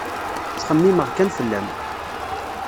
Ttxemmimeɣ kan fell-am.